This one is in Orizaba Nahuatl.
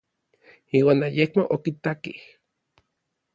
Iuan ayekmo okitakej.